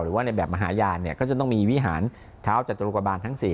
หรือว่าในแบบมหาญาณเนี่ยก็จะต้องมีวิหารเท้าจตุรกบาลทั้ง๔